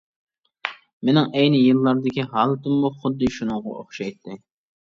مېنىڭ ئەينى يىللاردىكى ھالىتىممۇ خۇددى شۇنىڭغا ئوخشايتتى.